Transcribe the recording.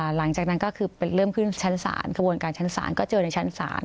หลังจากนั้นก็คือเริ่มขึ้นชั้นศาลกระบวนการชั้นศาลก็เจอในชั้นศาล